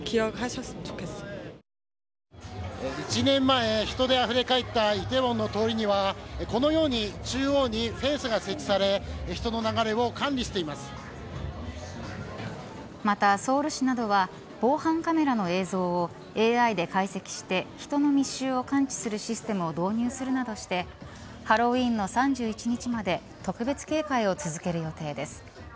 １年前、人であふれ返っていた梨泰院の通りにはこのように中央にフェンスが設置されまた、ソウル市などは防犯カメラの映像をＡＩで解析して人の密集を感知するシステムを導入するなどしてハロウィーンの３１日まで特別警戒を続ける予定です。